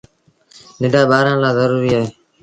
ننڍآن ٻآرآن لآ زروريٚ اهي۔